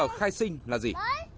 giấy tờ khai sinh là gì